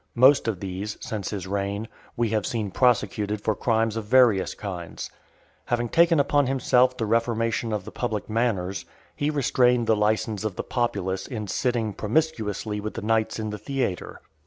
Most of these, since his reign, we have seen prosecuted for crimes of various kinds. Having taken upon himself the reformation of the public manners, he restrained the licence of the populace in sitting promiscuously with the knights in the theatre.